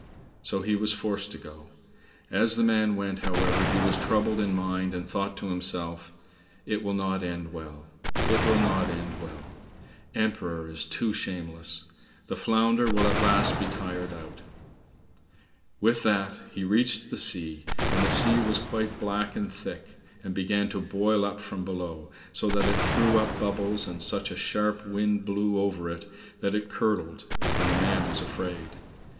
So he was forced to go. As the man went, however, he was troubled in mind, and thought to himself, "It will not end well; it will not end well! Emperor is too shameless! The Flounder will at last be tired out." With that he reached the sea, and the sea was quite black and thick, and began to boil up from below, so that it threw up bubbles, and such a sharp wind blew over it that it curdled, and the man was afraid.